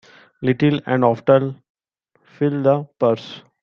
Little and often fill the purse.